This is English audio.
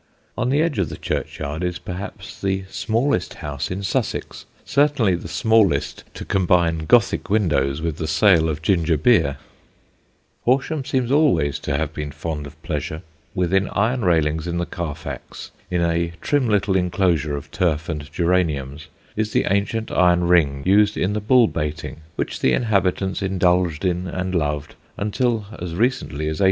On the edge of the churchyard is perhaps the smallest house in Sussex: certainly the smallest to combine Gothic windows with the sale of ginger beer. [Sidenote: A SCHOOL OF CHAMPIONS] Horsham seems always to have been fond of pleasure. Within iron railings in the Carfax, in a trim little enclosure of turf and geraniums, is the ancient iron ring used in the bull baiting which the inhabitants indulged in and loved until as recently as 1814.